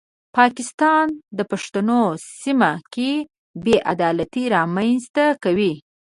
پاکستان د پښتنو سیمه کې بې عدالتي رامنځته کوي.